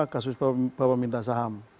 kasus papa minta saham